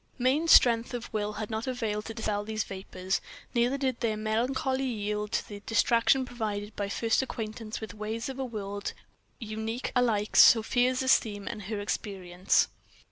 Main strength of will had not availed to dispel these vapours, neither did their melancholy yield to the distraction provided by first acquaintance with ways of a world unique alike in Sofia's esteem and her experience.